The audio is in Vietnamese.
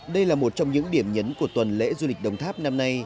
đây là một trong những điểm nhấn của tuần lễ du lịch đồng tháp năm nay